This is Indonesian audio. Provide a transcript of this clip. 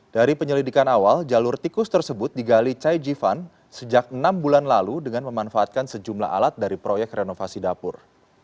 dari penyelidikan awal jalur tikus tersebut digali chai jivan sejak enam bulan lalu dengan memanfaatkan sejumlah alat dari proyek renovasi dapur